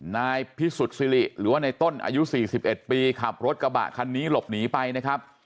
นายพิสุทธิ์สิริหรือว่าในต้นอายุ๔๑ปีขับรถกระบะคันนี้หลบหนีไปนะครับ